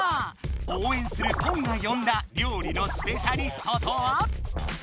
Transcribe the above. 応援するポンが呼んだ料理のスペシャリストとは？